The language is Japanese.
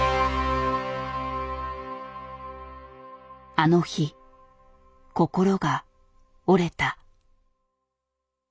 あの日心が折れた。